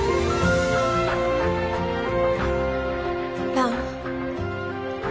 蘭。